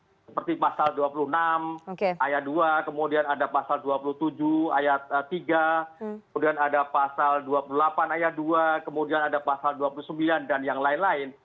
seperti pasal dua puluh enam ayat dua kemudian ada pasal dua puluh tujuh ayat tiga kemudian ada pasal dua puluh delapan ayat dua kemudian ada pasal dua puluh sembilan dan yang lain lain